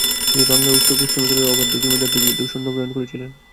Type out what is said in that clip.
তিনি বাংলার উত্তর পশ্চিমাঞ্চলের অবাধ্য জমিদারদের বিরুদ্ধেও সৈন্য প্রেরণ করেছিলেন।